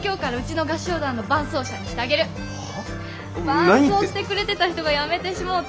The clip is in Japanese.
伴奏してくれてた人がやめてしもうて。